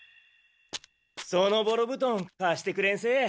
そのボロぶとん貸してくれんせ。